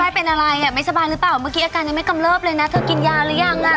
เป็นอะไรอ่ะไม่สบายหรือเปล่าเมื่อกี้อาการยังไม่กำเริบเลยนะเธอกินยาหรือยังอ่ะ